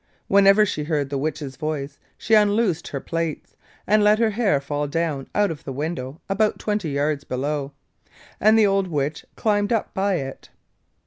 Whenever she heard the Witch's voice she unloosed her plaits, and let her hair fall down out of the window about twenty yards below, and the old Witch climbed up by it.